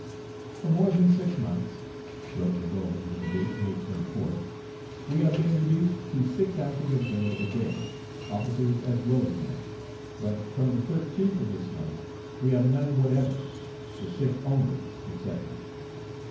"For more than six months," wrote Laveaux, under date May 24th, "we have been reduced to six ounces of bread a day, officers as well as men; but from the 13th of this month, we have none whatever, the sick only excepted.